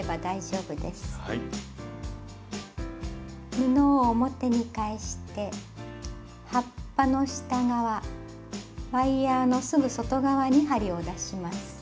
布を表に返して葉っぱの下側ワイヤーのすぐ外側に針を出します。